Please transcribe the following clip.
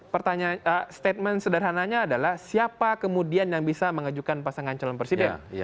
pertanyaan statement sederhananya adalah siapa kemudian yang bisa mengajukan pasangan calon presiden